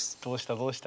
どうした？